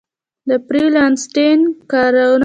د فری لانسینګ کارونه شته؟